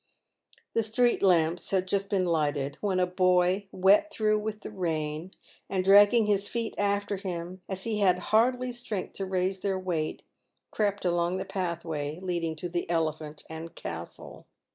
The street lamps had just been lighted when a boy wet through with the rain, and dragging his feet after him as if he had hardly strength to raise their weight, crept along the pathway leading to the Elephant and Castle.